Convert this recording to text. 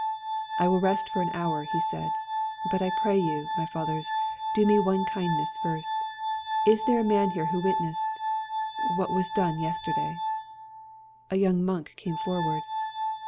"I will rest for an hour," he said. "But I pray you, my fathers, do me one kindness first. Is there a man here who witnessed what was done yesterday?" A young monk came forward.